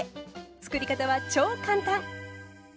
つくり方は超簡単！